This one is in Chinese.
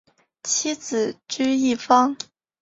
妻子琚逸芳。